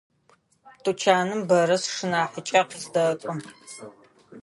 Тучаным бэра сшынахьыкӏэ къыздэкӏо.